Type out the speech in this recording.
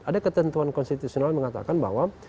ada ketentuan konstitusional mengatakan bahwa